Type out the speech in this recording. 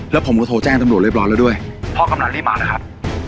แล้วผมก็โทรแจ้งตำรวจเรียบร้อยแล้วด้วยพ่อกำลังรีบมานะครับ